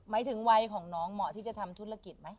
หมายถึงวัยของน้องเหมาะที่จะทำธุรกิจไหม